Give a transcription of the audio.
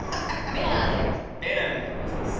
ベナナでお願いします。